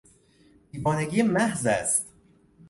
دیوانگی محض است!